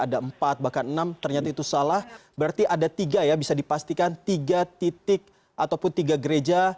ada empat bahkan enam ternyata itu salah berarti ada tiga ya bisa dipastikan tiga titik ataupun tiga gereja